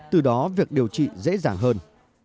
từ đó việc điều trị dễ dàng hơn